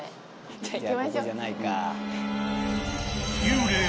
じゃここじゃないか。